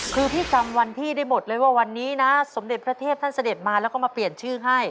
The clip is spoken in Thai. คือพี่จำวันพี่ได้หมดเลยว่าวันนี้นะสมเด็จพระเทพท่านเสด็จมาแล้วก็มาเปลี่ยนชื่อให้